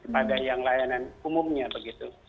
pada yang layanan umumnya begitu